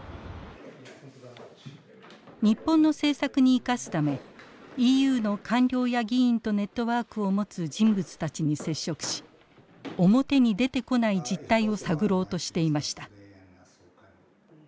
日本の政策に生かすためＥＵの官僚や議員とネットワークを持つ人物たちに接触し表に出てこない実態を探ろうとしていました。